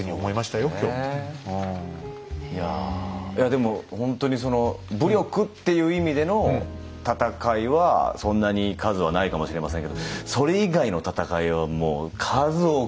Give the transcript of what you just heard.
いやいやでもほんとに武力っていう意味での戦いはそんなに数はないかもしれませんけどそれ以外の戦いはもう数多く。